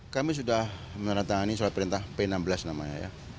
kami sudah menandatangani solat perintah p enam belas namanya